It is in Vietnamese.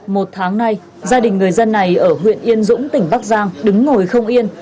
một tháng nay gia đình người dân này ở huyện yên dũng tỉnh bắc giang đứng ngồi không yên